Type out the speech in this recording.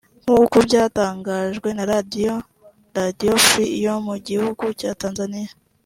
nk’uko byatangajwe na Radio Radio Free yo mu gihugu cya Tanzania